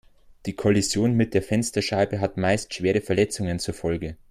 Die Kollision mit der Fensterscheibe hat meist schwere Verletzungen zur Folge.